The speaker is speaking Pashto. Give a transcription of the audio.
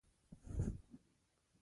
د ژبې زده کړه له ټولنې پرته نیمګړې وي.